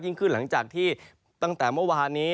ขึ้นหลังจากที่ตั้งแต่เมื่อวานนี้